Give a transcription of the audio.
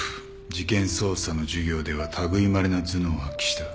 事件捜査の授業では類いまれな頭脳を発揮した。